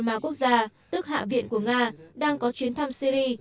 ma quốc gia tức hạ viện của nga đang có chuyến thăm syri